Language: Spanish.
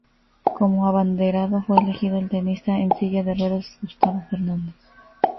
Como abanderado fue elegido el tenista en silla de ruedas Gustavo Fernández.